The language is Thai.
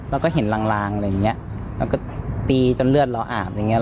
แล้วก็เห็นลางลางอะไรอย่างเงี้ยแล้วก็ตีจนเลือดเราอาบอย่างเงี้